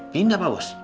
pindah pak bos